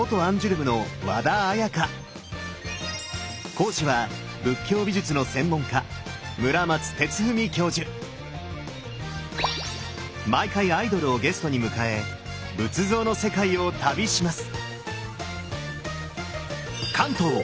講師は仏教美術の専門家毎回アイドルをゲストに迎え仏像の世界を旅します！